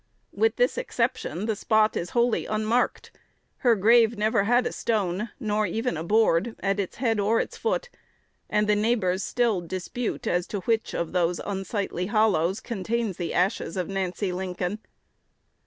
With this exception, the spot is wholly unmarked. Her grave never had a stone, nor even a board, at its head or its foot; and the neighbors still dispute as to which one of those unsightly hollows contains the ashes of Nancy Lincoln.